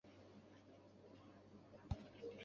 今天城隍庙的管理人仍是北门郑家裔孙。